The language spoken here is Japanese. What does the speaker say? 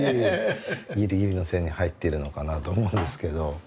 ギリギリの線に入っているのかなと思うんですけど。